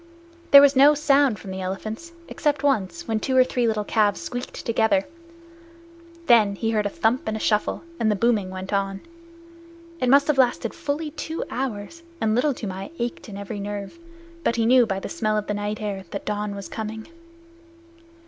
There was no sound from the elephants, except once, when two or three little calves squeaked together. Then he heard a thump and a shuffle, and the booming went on. It must have lasted fully two hours, and Little Toomai ached in every nerve, but he knew by the smell of the night air that the dawn was coming.